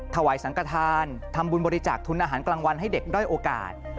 ถวายสังกฐานทำบุญบริจาคทุนอาหารกลางวันให้เด็กด้อยโอกาส